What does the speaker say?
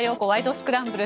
スクランブル」。